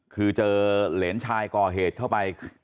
คือเจอเหรนชายก่อเหตุเข้าไป